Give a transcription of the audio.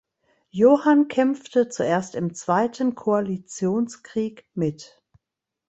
Johann kämpfte zuerst im Zweiten Koalitionskrieg mit.